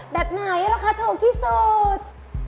แบบไหนราคาถูกที่สุด